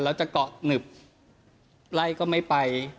แล้วจะเกาะหนึบไล่ก็ไม่ไป